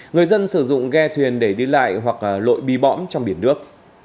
người dân sử dụng ghe thuyền để đi lại hoặc lội bi bõm trong biển nước